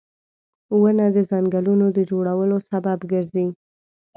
• ونه د ځنګلونو د جوړولو سبب ګرځي